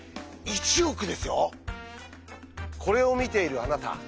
これを見ているあなた